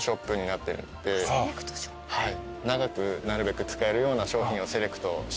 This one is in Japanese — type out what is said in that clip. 長くなるべく使えるような商品をセレクトして。